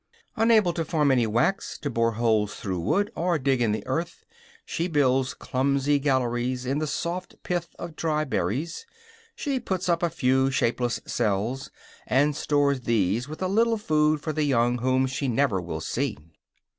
Unable to form any wax, to bore holes through wood or dig in the earth, she builds clumsy galleries in the soft pith of dry berries; she puts up a few shapeless cells, and stores these with a little food for the young whom she never will see.